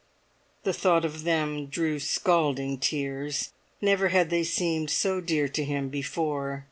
The thought of them drew scalding tears. Never had they seemed so dear to him before.